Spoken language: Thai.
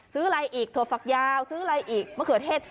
ซื้ออะไรอีกถั่วฝักยาวซื้ออะไรอีกมะเขือเทศ